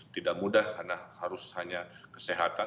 tidak mudah karena harus hanya kesehatan